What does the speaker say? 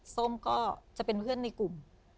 ส้มก็จะเป็นเพื่อนในกลุ่ม